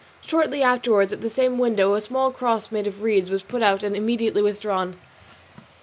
Shortly afterwards at the same window a small cross made of reeds was put out and immediately withdrawn.